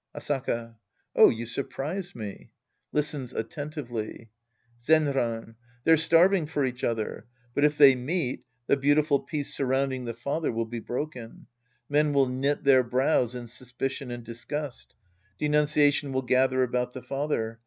Asaka. Oh, you surprise me — {Listens attentively!) Zenran. They're starving for each other. But if they meet, the beautiful peace surrounding the father will be broken. Men will knit their brows in suspi cion and disgust. Denunciation will gather about the father.